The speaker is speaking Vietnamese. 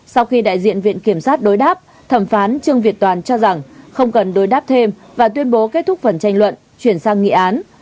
sau khi đại diện viện kiểm sát đối đáp thẩm phán trương việt toàn cho rằng không cần đối đáp thêm và tuyên bố kết thúc phần tranh luận chuyển sang nghị án